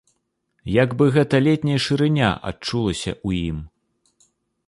Як бы гэта летняя шырыня адчулася ў ім.